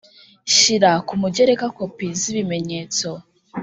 Shyira ku mugereka kopi z ibimenyetso